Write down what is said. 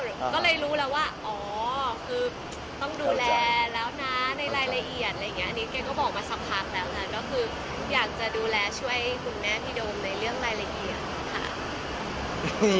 ในเรื่องรายละเอียด